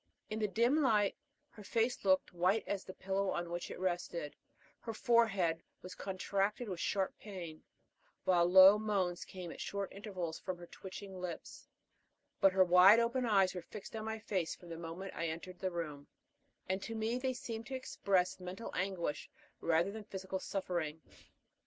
In the dim light her face looked white as the pillow on which it rested, her forehead contracted with sharp pain, while low moans came at short intervals from her twitching lips; but her wide open eyes were fixed on my face from the moment I entered the room, and to me they seemed to express mental anguish rather than physical suffering.